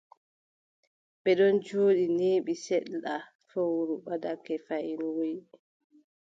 Ɓe ɗon njooɗi, neeɓi seɗɗa, fowru ɓadake fayin, woyi.